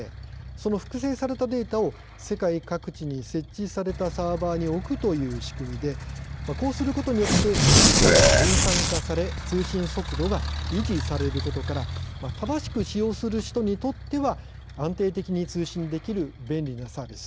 その複製されたデータを世界各地に設置されたサーバーに置くという仕組みでこうすることによって負荷が分散化され通信速度が維持されることから正しく使用する人にとっては安定的に通信できる便利なサービスです。